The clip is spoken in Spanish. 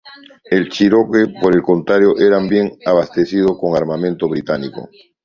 El Cherokee, por el contrario, eran bien abastecido con armamento británico.